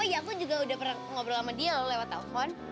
ya aku juga udah pernah ngobrol sama dia loh lewat telepon